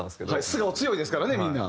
素顔強いですからねみんな。